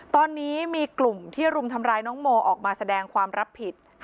ตอนนี้มีกลุ่มที่รุมทำร้ายน้องโมออกมาแสดงความรับผิด